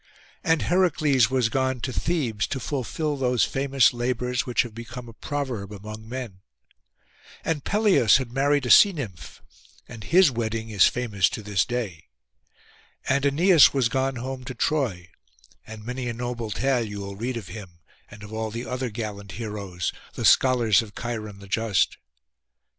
And Heracles was gone to Thebes to fulfil those famous labours which have become a proverb among men. And Peleus had married a sea nymph, and his wedding is famous to this day. And Æneas was gone home to Troy, and many a noble tale you will read of him, and of all the other gallant heroes, the scholars of Cheiron the just.